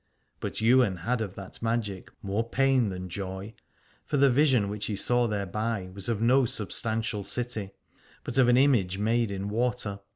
But Ywain had of that magic more pain than joy : for the vision which he saw thereby was of no substantial city, but an image made in water.